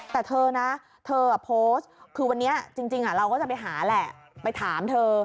แต่เธอนะเธอโพสต์คือวันนี้จริงเราก็จะไปหาแหละไปถามเธอ